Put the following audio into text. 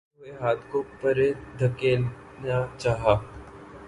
میں نے لرزتے ہوئے ہاتھ کو پرے دھکیلنا چاہا